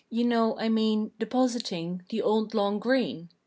You know, I mean Depositing the old "Long Green!